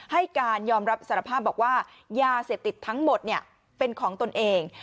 ให้การยอมรับสารภาพบอกว่ายาเสพติดทั้งหมดเป็นของตนเอง